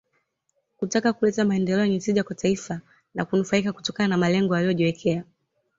Kutaka kuleta maendeleo yenye tija kwa taifa na kunufaika kutokana na malengo waliyojiwekea